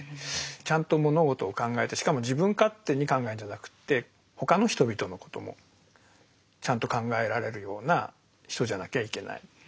ちゃんと物事を考えてしかも自分勝手に考えるんじゃなくって他の人々のこともちゃんと考えられるような人じゃなきゃいけない。